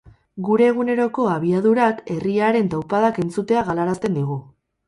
Gure eguneroko abiadurak, herriaren taupadak entzutea galarazten digu.